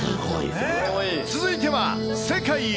続いては世界一！